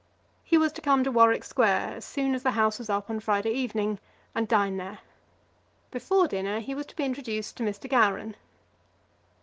He was to come to Warwick Square as soon as the House was up on Friday evening, and dine there. Before dinner he was to be introduced to Mr. Gowran.